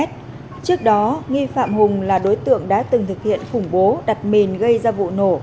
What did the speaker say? trước đó nghi phạm hùng là đối tượng đã từng thực hiện khủng bố đặt mình gây ra vụ nổ